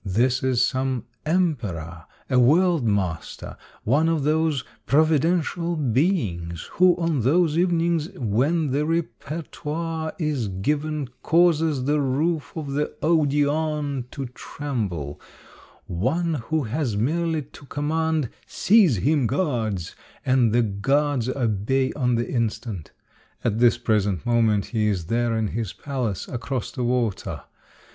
This is some emperor, a world master, one of those providential beings who on those evenings when the repertoire is given causes the roof of the Odeon to tremble, one who has merely to com mand, '* Seize him, guards !" and the guards obey on the instant. At this present moment he is there in his palace, across the water.